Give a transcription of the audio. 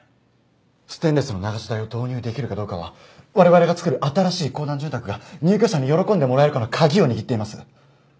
ステンレスの流し台を導入できるかどうかは我々が作る新しい公団住宅が入居者に喜んでもらえるかの鍵を握っています。